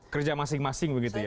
kerja masing masing begitu ya